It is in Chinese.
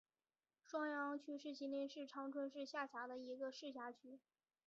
双阳区是吉林省长春市下辖的一个市辖区。